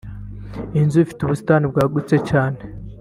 Iyi nzu ifite ubusitani bwagutse cyane